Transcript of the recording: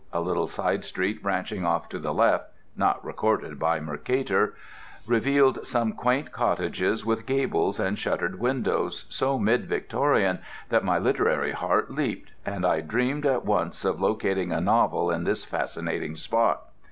A little side street branching off to the left (not recorded by Mercator) revealed some quaint cottages with gables and shuttered windows so mid Victorian that my literary heart leaped and I dreamed at once of locating a novel in this fascinating spot.